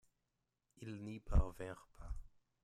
Ils n'y parvinrent pas.